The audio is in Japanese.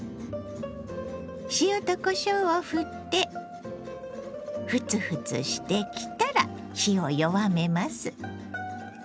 塩とこしょうをふってフツフツしてきたら火を弱めます。